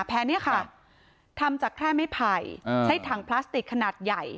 แพ้เนี่ยค่ะทำจากแค่ไม่ไผ่ใช้ถังพลาสติกขนาดใหญ่